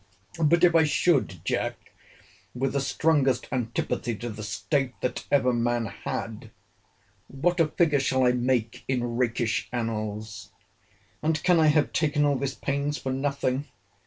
But if I should, Jack, (with the strongest antipathy to the state that ever man had,) what a figure shall I make in rakish annals? And can I have taken all this pains for nothing?